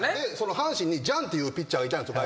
阪神にジャンっていうピッチャーがいたんですよ